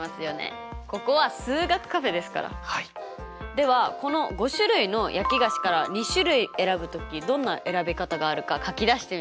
ではこの５種類の焼き菓子から２種類選ぶ時どんな選び方があるか書き出してみましょう。